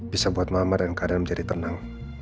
bisa buat mama dan keadaan menjadi tenang